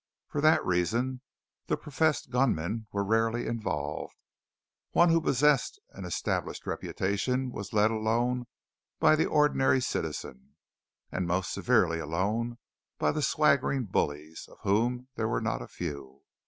For that reason the professed gunmen were rarely involved. One who possessed an established reputation was let alone by the ordinary citizen; and most severely alone by the swaggering bullies, of whom there were not a few.